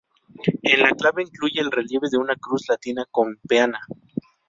En la clave incluye el relieve de una cruz latina con peana.